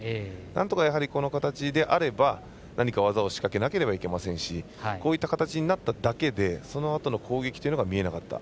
なんとかこの形であれば何か技を仕掛けなければなりませんしこういった形になっただけでそのあとの攻撃というのが見えなかった。